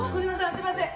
すいません！